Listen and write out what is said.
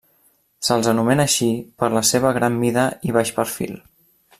Se'ls anomena així per la seva gran mida i baix perfil.